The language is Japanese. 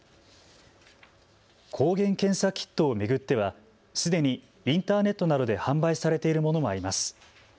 抗原検査キットを巡ってはすでにインターネットなどで販売されているものもあります。